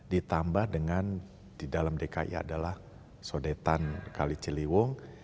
ditambah dengan di dalam dki adalah sodetan kali ciliwung